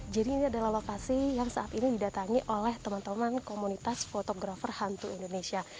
jadi ini adalah lokasi yang saat ini didatangi oleh teman teman komunitas fotografer hantu indonesia